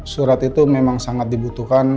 surat itu memang sangat dibutuhkan